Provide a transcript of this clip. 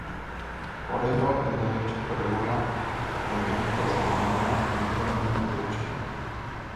Por ello, el Derecho que regula los delitos se denomina habitualmente Derecho penal.